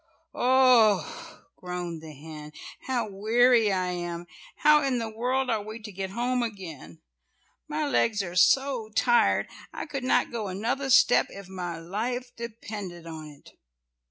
oh!" groaned the hen, "how weary I am. How in the world are we to get home again. My legs are so tired, I could not go another step if my life depended on it."